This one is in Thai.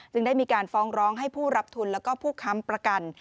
ได้มีการฟ้องร้องให้ผู้รับทุนแล้วก็ผู้ค้ำประกัน